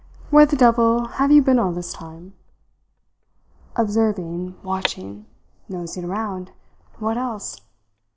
Where the devil have you been all this time?" "Observing watching nosing around. What else?